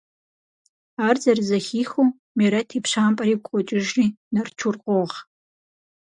Ар зэрызэхихыу, Мерэт и пщампӀэр игу къокӀыжри Нарчур къогъ.